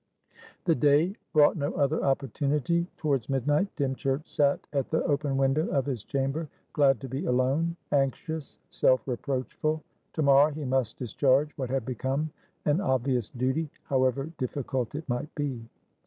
The day brought no other opportunity. Towards midnight, Dymchurch sat at the open window of his chamber, glad to be alone, anxious, self reproachful. To morrow he must discharge what had become an obvious duty, however difficult it might be.